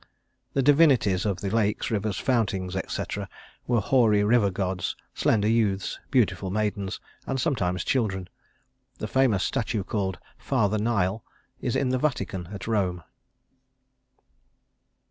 The divinities of the lakes, rivers, fountains, etc., were hoary river gods, slender youths, beautiful maidens, and sometimes children. The famous statue called "Father Nile" is in the Vatican at Rome.